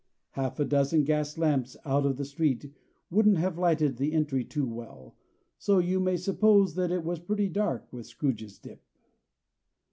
Half a dozen gas lamps out of the street wouldn't have lighted the entry too well, so you may suppose that it was pretty dark with Scrooge's dip.